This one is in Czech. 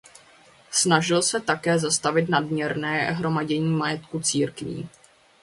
Snažil se také zastavit nadměrné hromadění majetku církví.